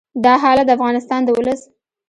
دا حالت د افغانستان د ولس